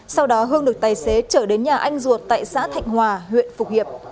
sau đó hương được tài xế trở đến nhà anh ruột tại xã thạnh hòa huyện phục hiệp